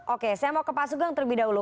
oke saya mau ke pak sugeng terlebih dahulu